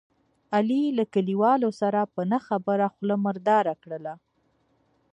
علي له کلیوالو سره په نه خبره خوله مرداره کړله.